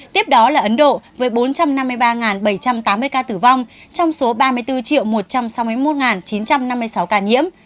tiếp đó là ấn độ với bốn trăm năm mươi ba bảy trăm tám mươi ca tử vong trong số ba mươi bốn một trăm sáu mươi một chín trăm năm mươi sáu ca nhiễm